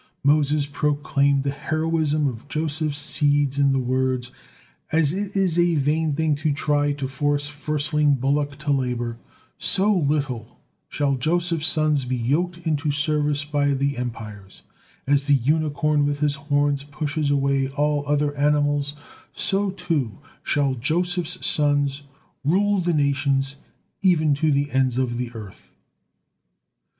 Moses proclaimed the heroism of Joseph's seed in the words: "As it is a vain thing to try to force the firstling bullock to labor, so little shall Joseph's sons be yoked into service by the empires; as the unicorn with his horns pushes away all other animals, so, too, shall Joseph's sons rule the nations, even to the ends of the earth.